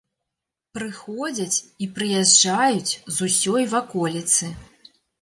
Прыходзяць і прыязджаюць з усёй ваколіцы.